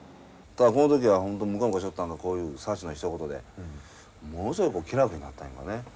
この時は本当ムカムカしよったんがこういうサチのひと言でものすごい気楽になったんやろね。